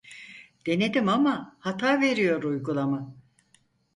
Denedim ama hata veriyor uygulama